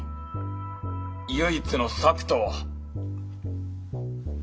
唯一の策とは？